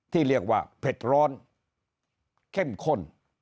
ที่เรียกว่าเผ็ดร้อนเข้มข้น